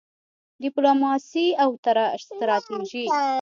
ډیپلوماسي او ستراتیژي د یوې تګلارې لپاره دوه وسیلې دي